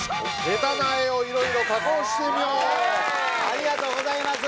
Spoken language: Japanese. ありがとうございます！